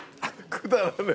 くだらねえ。